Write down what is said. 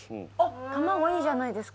卵いいじゃないですか。